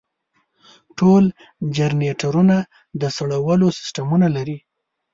ټول جنریټرونه د سړولو سیستمونه لري.